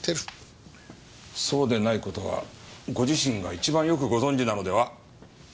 そうでない事はご自身が一番よくご存じなのでは？